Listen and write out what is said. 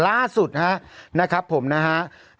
ล่าสุดนะครับผมนะฮะ